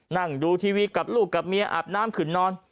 นั่งดูทีวีกับลูกกับเมียอาบน้ำขึ้นนอน